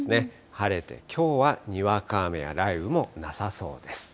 晴れて、きょうはにわか雨や雷雨もなさそうです。